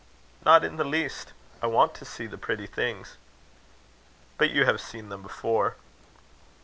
"Not in the least. I want to see the pretty things." "But you have seen them before."